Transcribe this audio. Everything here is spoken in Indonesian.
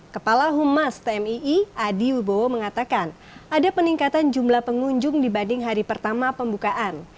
kepala humas tmii adi ubo mengatakan ada peningkatan jumlah pengunjung dibanding hari pertama pembukaan